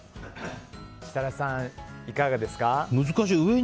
設楽さん、いかがですか？